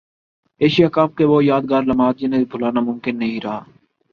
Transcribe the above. Asia cup کے وہ یادگار لمحات جنہیں بھلانا ممکن نہیں رہا